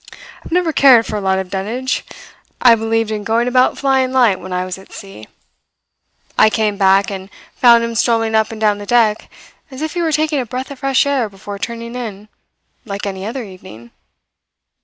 I've never cared for a lot of dunnage; I believed in going about flying light when I was at sea. I came back and found him strolling up and down the deck, as if he were taking a breath of fresh air before turning in, like any other evening.